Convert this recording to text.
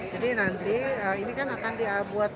jadi nanti ini kan akan di buat